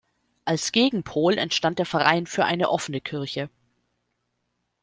Als Gegenpol entstand der Verein für eine offene Kirche.